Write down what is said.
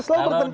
kalau dulu mah